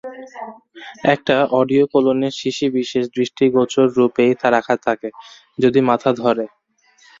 একটা ওডিকোলনের শিশি বিশেষ দৃষ্টগোচররূপেই রাখা থাকে, যদি মাথা ধরে।